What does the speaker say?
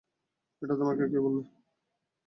এটা তোমাকে কে বলল?